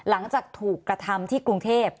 หลังจากถูกกระทำที่กรุงเทพ